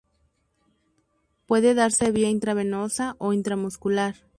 Puede darse vía intravenosa o intramuscular.